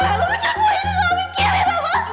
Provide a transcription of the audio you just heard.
lu bener bener gua ini gak mikirin apaan